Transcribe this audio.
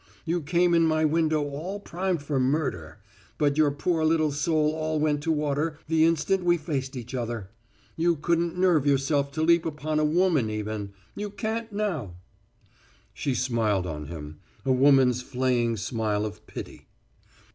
You came in my window all primed for murder. But your poor little soul all went to water the instant we faced each other. You couldn't nerve yourself to leap upon a woman even. You can't now." She smiled on him a woman's flaying smile of pity.